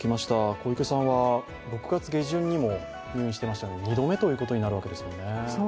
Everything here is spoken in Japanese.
小池さんは６月下旬にも入院していたので、２度目ということになるわけですね。